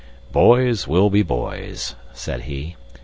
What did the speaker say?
"Boys will be boys," said he.